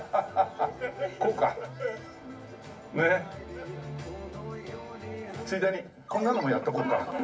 「こうか。ねえ」「ついでにこんなのもやっとこうか」